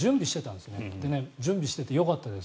で、準備しててよかったです。